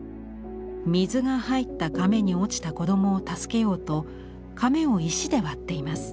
水が入ったかめに落ちた子供を助けようとかめを石で割っています。